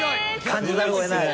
感じざるを得ない。